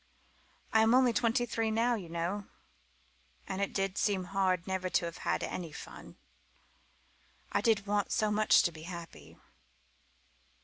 I am only twenty three now, you know and it did seem hard never to have had any fun. I did want so much to be happy."